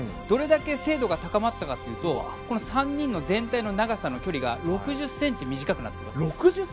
どれだけ精度が高まったかというと３人の全体の長さの距離が６０ｃｍ短くなっています。